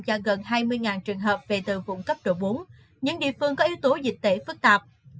cho gần hai mươi trường hợp về từ vùng cấp độ bốn những địa phương có yếu tố dịch tễ phức tạp